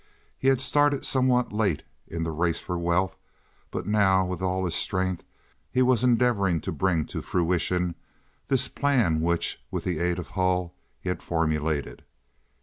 He had started somewhat late in the race for wealth, but now, with all his strength, he was endeavoring to bring to fruition this plan which, with the aid of Hull, he had formulated.